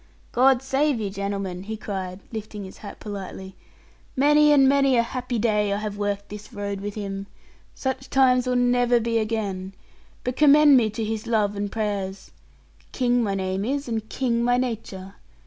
'God save you, gentlemen,' he cried, lifting his hat politely; 'many and many a happy day I have worked this road with him. Such times will never be again. But commend me to his love and prayers. King my name is, and King my nature.